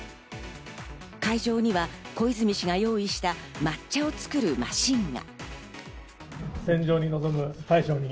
会場には小泉氏が用意した抹茶を作るマシンが。